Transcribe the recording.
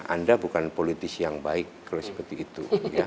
anda bukan politisi yang baik kalau seperti itu